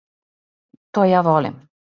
То ја волим.